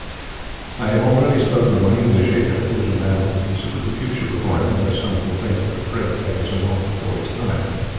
"I have already spoken of my English agent who is a man with a considerable future before him, unless some complaint of the throat carries him off before his time.